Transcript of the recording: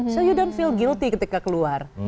so you don't feel guilty ketika keluar